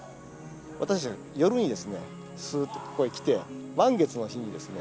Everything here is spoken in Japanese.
私夜にですねすーっとここへ来て満月の日にですね